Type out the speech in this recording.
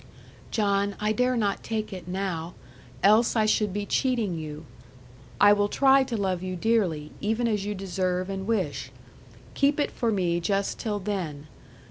'John, I dare not take it now; else I should be cheating you. I will try to love you dearly, even as you deserve and wish. Keep it for me just till then.